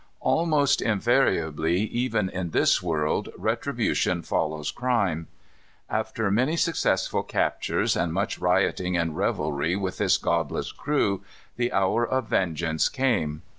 Almost invariably, even in this world, retribution follows crime. After many successful captures, and much rioting and revelry with this godless crew, the hour of vengeance came.